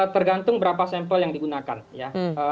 tergantung berapa sampel yang digunakan ya